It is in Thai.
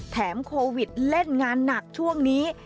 โควิดเล่นงานหนักช่วงนี้